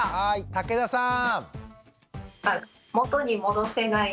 竹田さん。